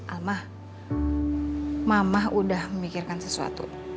alma mamah udah memikirkan sesuatu